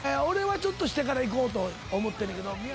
俺はちょっとしてから行こうと思ってんねんけど。